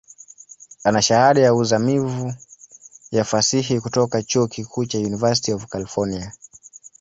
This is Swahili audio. Ana Shahada ya uzamivu ya Fasihi kutoka chuo kikuu cha University of California.